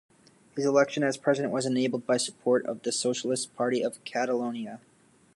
His election as president was enabled by support of the Socialists' Party of Catalonia.